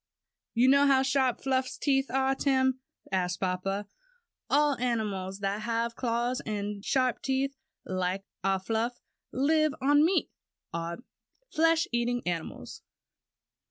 "You know how sharp Fluff's teeth are, Tim?" asked papa. "All animals that have claws and sharp teeth like our Fluff, live on meat, or are flesh eating animals.